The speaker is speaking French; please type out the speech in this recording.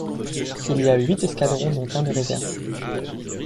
Il y a huit escadrons dont un de réserve.